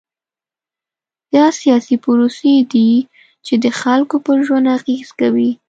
دا سیاسي پروسې دي چې د خلکو پر ژوند اغېز کوي.